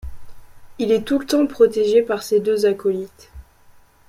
Il est tout le temps protégé par ses deux acolytes.